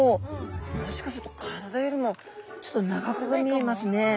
もしかすると体よりもちょっと長く見えますね。